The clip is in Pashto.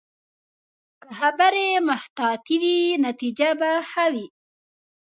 که خبرې محتاطې وي، نتیجه به ښه وي